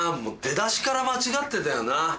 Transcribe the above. もう出だしから間違ってたよな。